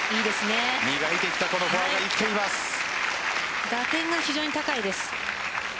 磨いてきた打点が非常に高いです。